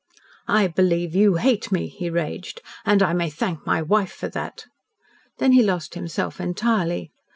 "I believe you hate me," he raged. "And I may thank my wife for that." Then he lost himself entirely.